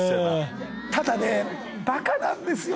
ただね